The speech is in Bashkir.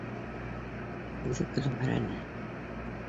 Үҙе көлөмһөрәне: